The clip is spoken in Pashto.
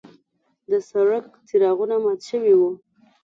د سړک څراغونه مات شوي وو.